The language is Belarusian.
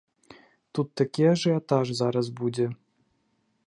Тут такі ажыятаж зараз будзе!